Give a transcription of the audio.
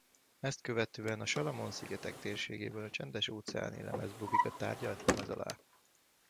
Ezt követően a Salamon-szigetek térségében a Csendes-óceáni-lemez bukik a tárgyalt lemez alá.